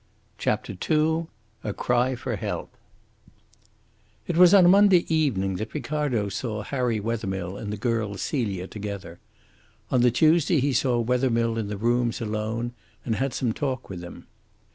CHAPTER II A CRY FOR HELP It was on a Monday evening that Ricardo saw Harry Wethermill and the girl Celia together. On the Tuesday he saw Wethermill in the rooms alone and had some talk with him.